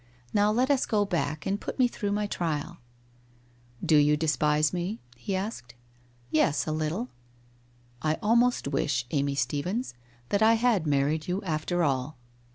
Now let us go back, and put me through my trial.' ' Do you despise me ?' he asked. 'Yes, a little.' ' I almost wish, Amy Stephens, that I had married you after all.'